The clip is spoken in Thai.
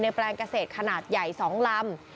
แปลงเกษตรขนาดใหญ่๒ลำ